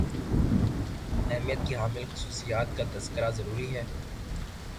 اہمیت کی حامل خصوصیات کا تذکرہ ضروری ہے